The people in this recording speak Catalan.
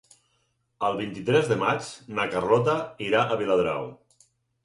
El vint-i-tres de maig na Carlota irà a Viladrau.